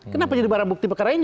kenapa jadi barang bukti perkara ini